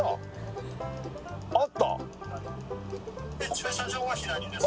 駐車場は左です